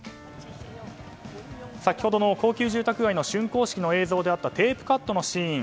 先ほどの高級住宅街の竣工式の映像であったテープカットのシーン